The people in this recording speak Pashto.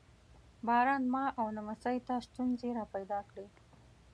باران ما او نمسۍ ته ستونزې را پیدا کړې.